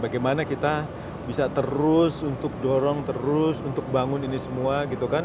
bagaimana kita bisa terus untuk dorong terus untuk bangun ini semua gitu kan